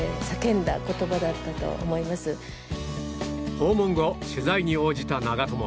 訪問後取材に応じた長友。